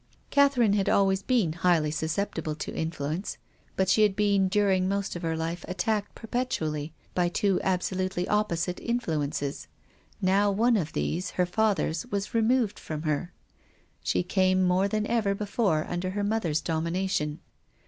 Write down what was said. Catherine had always been highly susceptible to influence, but she had been during most of her life attacked perpetually by two absolutely opposite influences. Now one of these, her father's, was removed from her. She came more than ever before under her mother's domination.